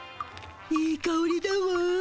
いいかおりだわ。